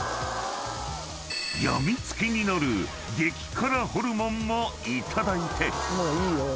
［病みつきになる激辛ホルモンもいただいて］